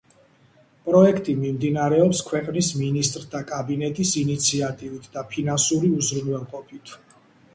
პროექტი მიმდინარეობს ქვეყნის მინისტრთა კაბინეტის ინიციატივით და ფინანსური უზრუნველყოფით.